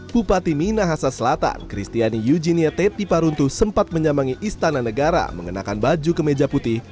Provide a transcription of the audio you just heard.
bupati minahasa selatan kristiani eugenia teti paruntu sempat menyambangi istana negara mengenakan baju kemeja putih